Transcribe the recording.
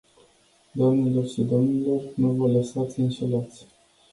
Doamnelor și domnilor, nu vă lăsați înșelați.